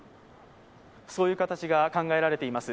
そういう形が考えられています。